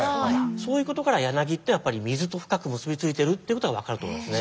そういうことから柳ってやっぱり水と深く結びついてるっていうことが分かると思いますね。